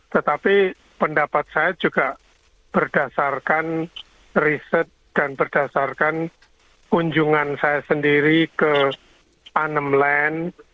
tetapi pendapat saya juga berdasarkan riset dan berdasarkan kunjungan saya sendiri ke anamland